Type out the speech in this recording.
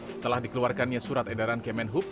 setelah dikeluarkannya surat edaran kemenhub